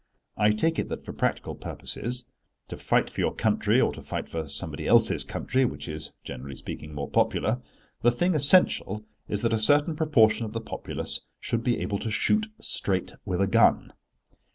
I take it that for practical purposes—to fight for your country, or to fight for somebody else's country, which is, generally speaking, more popular—the thing essential is that a certain proportion of the populace should be able to shoot straight with a gun.